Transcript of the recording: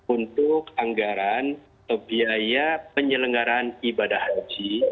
untuk anggaran biaya penyelenggaran ibadah haji